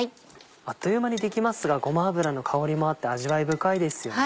あっという間にできますがごま油の香りもあって味わい深いですよね。